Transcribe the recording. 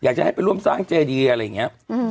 อยากจะให้ไปร่วมสร้างเจดีอะไรอย่างนี้